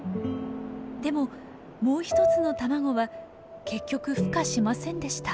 でももう一つの卵は結局ふ化しませんでした。